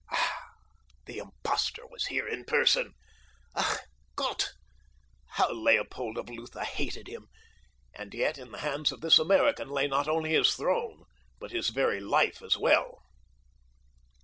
Ah, the impostor was there in person. Ach, Gott! How Leopold of Lutha hated him, and yet, in the hands of this American lay not only his throne but his very life as well.